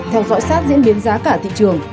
theo dõi sát diễn biến giá cả thị trường